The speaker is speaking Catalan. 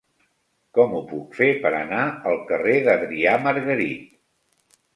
Com ho puc fer per anar al carrer d'Adrià Margarit?